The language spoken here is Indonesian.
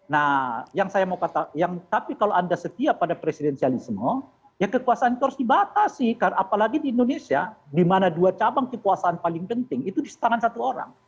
nah yang saya mau katakan tapi kalau anda setia pada presidensialisme ya kekuasaan itu harus dibatasi apalagi di indonesia di mana dua cabang kekuasaan paling penting itu di setangan satu orang